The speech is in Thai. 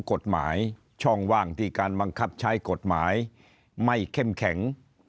กฎหมายช่องว่างที่การบังคับใช้กฎหมายไม่เข้มแข็ง